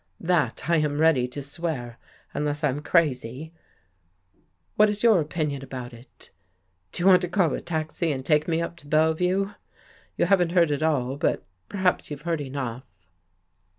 That I am ready to swear to, unless I'm crazy. What is your opinion about it? Do you want to call a taxi and take me up to Bellevue? You haven't heard it all, but per haps you've heard enough."